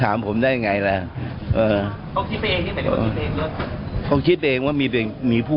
อาจไม่ได้ให้มี